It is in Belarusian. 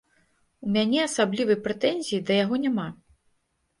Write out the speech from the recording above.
У мяне асаблівай прэтэнзіі да яго няма.